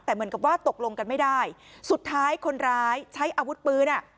แต่เหมือนกับว่าตกลงกันไม่ได้สุดท้ายคนร้ายใช้อาวุธปืนอ่ะ